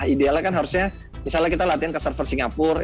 idealnya kan harusnya misalnya kita latihan ke server singapura